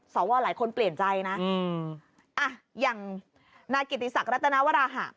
หลายคนเปลี่ยนใจนะอย่างนายกิติศักดิรัตนาวราหะ